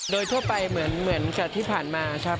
โดยทั่วไปเหมือนกับที่ผ่านมาครับ